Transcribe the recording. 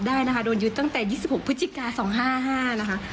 ได้นะคะโดนยึดตั้งแต่๒๖พฤศจิกา๒๕๕นะคะ